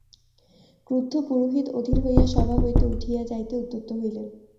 ক্রুদ্ধ পুরোহিত অধীর হইয়া সভা হইতে উঠিয়া যাইতে উদ্যত হইলেন।